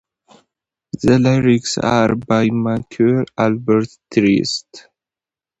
The lyrics are by Maurice Albert Thiriet.